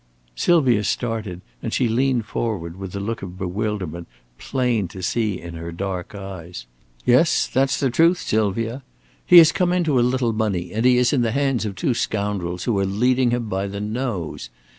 Sylvia started, and she leaned forward with a look of bewilderment plain to see in her dark eyes. "Yes, that's the truth, Sylvia. He has come into a little money, and he is in the hands of two scoundrels who are leading him by the nose.